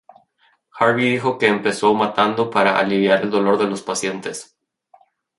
Harvey dijo que empezó matando para "aliviar el dolor" de los pacientes.